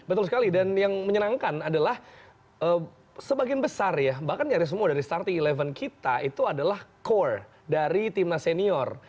betul sekali dan yang menyenangkan adalah sebagian besar ya bahkan nyaris semua dari starting eleven kita itu adalah core dari timnas senior